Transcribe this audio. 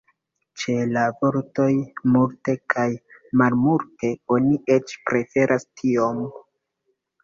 Ĉe la vortoj "multe" kaj "malmulte" oni eĉ preferas "tiom".